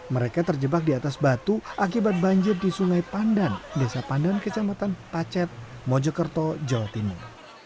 mereka terjebak di atas batu akibat banjir di sungai pandan desa pandan kecamatan pacet mojokerto jawa timur